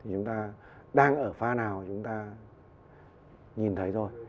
chúng ta đang ở pha nào chúng ta nhìn thấy rồi